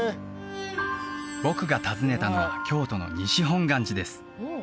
僕が訪ねたのは京都の西本願寺です